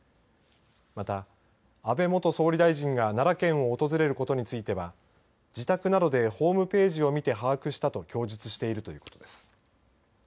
また、安倍元総理大臣が奈良県を訪れることについては自宅などで、ホームページを見て把握したと供述しているということです。